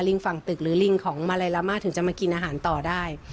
ฝั่งตึกหรือลิงของมาลัยลามาถึงจะมากินอาหารต่อได้